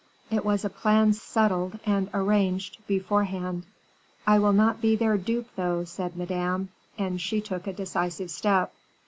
It was a plan settled and arranged beforehand. "I will not be their dupe though," said Madame, and she took a decisive step.